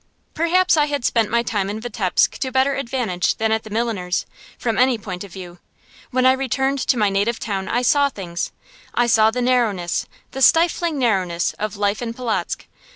Perhaps I had spent my time in Vitebsk to better advantage than at the milliner's, from any point of view. When I returned to my native town I saw things. I saw the narrowness, the stifling narrowness, of life in Polotzk.